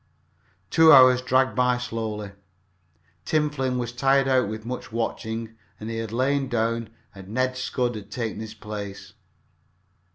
Two hours dragged by slowly. Tim Flynn was tired out with much watching and had lain down and Ned Scudd had taken his place.